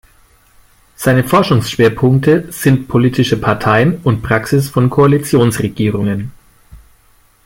Seine Forschungsschwerpunkte sind politische Parteien und Praxis von Koalitionsregierungen.